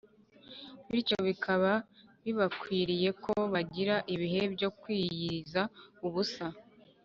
bityo bikaba bibakwiriye ko bagira ibihe byo kwiyiriza ubusa